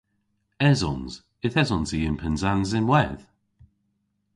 Esons. Yth esons i yn Pennsans ynwedh.